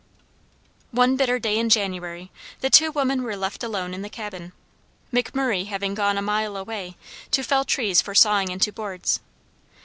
One bitter day in January the two women were left alone in the cabin, McMurray having gone a mile away to fell trees for sawing into boards.